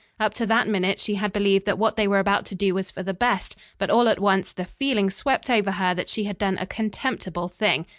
Up to that minute she had believed that what they were about to do was for the best; but all at once the feeling swept over her that she had done a contemptible thing.